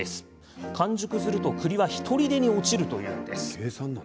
完熟すると、くりはひとりでに落ちるというんです。